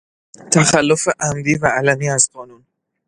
تخلف عمدی و علنی از قانون